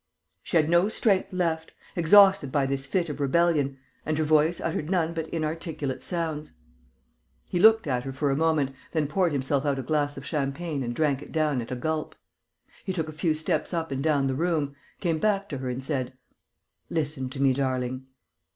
She had no strength left, exhausted by this fit of rebellion; and her voice uttered none but inarticulate sounds. He looked at her for a moment, then poured himself out a glass of champagne and drank it down at a gulp. He took a few steps up and down the room, came back to her and said: "Listen to me, darling...."